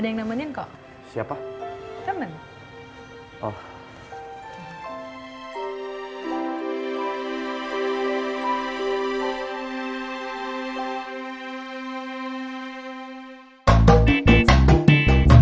ya yang dikerjain cuma duduk duduk aja